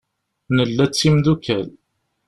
Nella d timdukal.